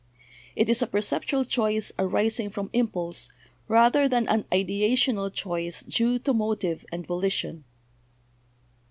It is a perceptual choice arising from impulse rather than an ideational choice due to motive and volition."